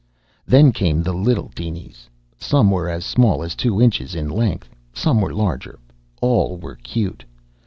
Then came the little dinies. Some were as small as two inches in length. Some were larger. All were cute.